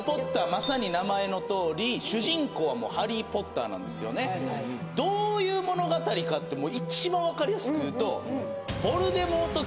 まさに名前のとおり主人公はもうハリー・ポッターなんですよねどういう物語かってもう一番分かりやすく言うとヴォルデモート